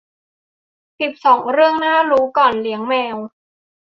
สิบสอง เรื่องน่ารู้ก่อนเลี้ยงแมว